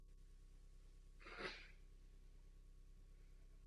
Na konci června však Deco šokoval svým prohlášením o přestupu do Barcelony.